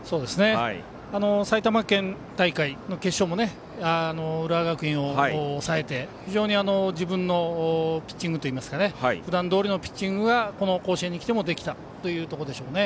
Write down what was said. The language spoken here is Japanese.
埼玉県大会の決勝も浦和学院を抑えて非常に自分のピッチングというか普段どおりのピッチングがこの甲子園に来てもできたというところでしょうね。